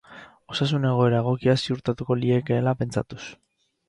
Osasun egoera egokia ziurtatuko liekeela pentsatuz.